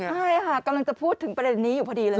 ใช่ค่ะกำลังจะพูดถึงประเด็นนี้อยู่พอดีเลย